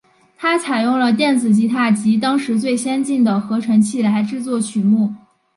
它采用了电子吉他及当时最先进的合成器来制作曲目。